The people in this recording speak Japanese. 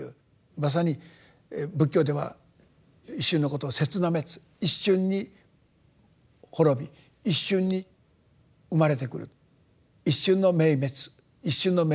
まさに仏教では一瞬のことを「刹那滅」一瞬に滅び一瞬に生まれてくる一瞬の明滅一瞬の明滅と。